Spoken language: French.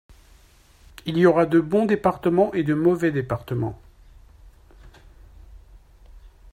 Il y aura de bons départements et de mauvais départements